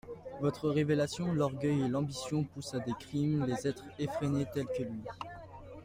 Votre révélation … L'orgueil et l'ambition poussent à des crimes les êtres effrénés tels que lui.